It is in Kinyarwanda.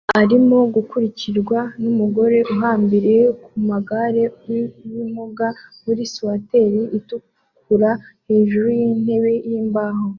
arimo gukurikirwa numugore uhambiriye kumugare wibimuga muri swater itukura hejuru yintebe yimbaho